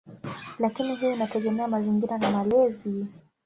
Lakini hiyo inategemea mazingira na malezi.